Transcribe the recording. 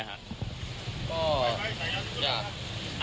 ก็อยากกินทัศน์ครับ